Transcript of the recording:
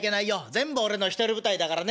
全部俺の独り舞台だからね。